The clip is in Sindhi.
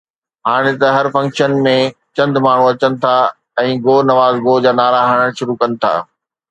هاڻي ته هر فنڪشن ۾ چند ماڻهو اچن ٿا ۽ ”گو نواز گو“ جا نعرا هڻڻ شروع ڪن ٿا.